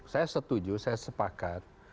saya setuju saya sepakat